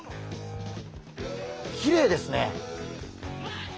きれいですね。